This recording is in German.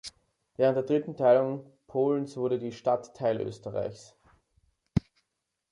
Während der Dritten Teilung Polens wurde die Stadt Teil Österreichs.